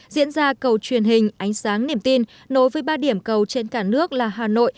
diễn ra cầu truyền hình ánh sáng niềm tin nối với ba điểm cầu trên cả nước là hà nội